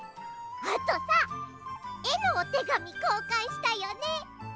あとさえのおてがみこうかんしたよね。